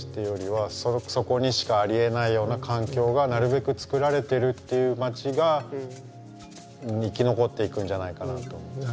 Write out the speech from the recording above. そこにしかありえないような環境がなるべく作られてるっていう街が生き残っていくんじゃないかなと思う。